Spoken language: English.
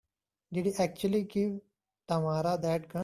Did you actually give Tamara that gun?